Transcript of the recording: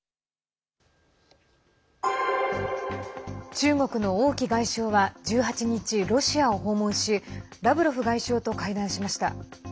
中国の王毅外相は１８日ロシアを訪問しラブロフ外相と会談しました。